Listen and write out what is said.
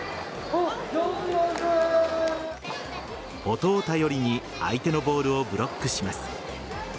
音を頼りに相手のボールをブロックします。